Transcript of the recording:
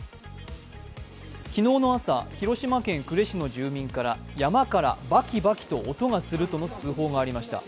昨日の朝、広島県呉市の住民から山からばきばきと音がするとの通報がありました。